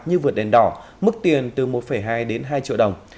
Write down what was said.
như vượt đèn đỏ mức tiền từ một hai đến hai triệu đồng